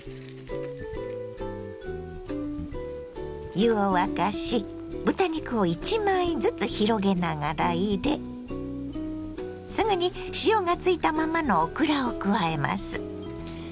湯を沸かし豚肉を１枚ずつ広げながら入れすぐに塩がついたままのオクラを加えます。